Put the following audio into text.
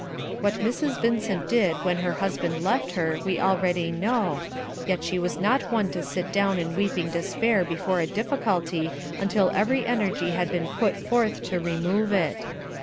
What Mrs. Vincent did when her husband left her we already know, yet she was not one to sit down in weeping despair before a difficulty until every energy had been put forth to remove it.